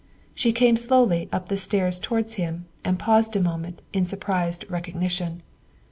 She came slowly up the steps towards him and paused a moment in surprised recognition.